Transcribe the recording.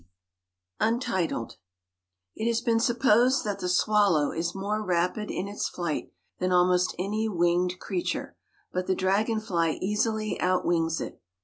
It has been supposed that the swallow is more rapid in its flight than almost any winged creature, but the dragonfly easily outwings it.